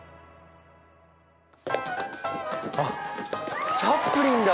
あっチャップリンだ！